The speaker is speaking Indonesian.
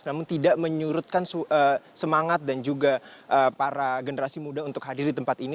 namun tidak menyurutkan semangat dan juga para generasi muda untuk hadir di tempat ini